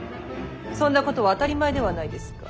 そんなことは当たり前ではないですか。